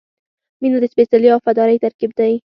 • مینه د سپېڅلتیا او وفادارۍ ترکیب دی.